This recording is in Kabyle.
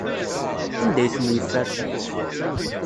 Anda ay ten-yeffer?